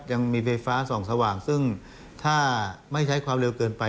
ยังมีไฟฟ้าส่องสว่างซึ่งถ้าไม่ใช้ความเร็วเกินไป